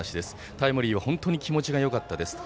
タイムリーは本当にきもちがよかったです。